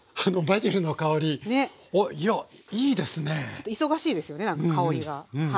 ちょっと忙しいですよねなんか香りが。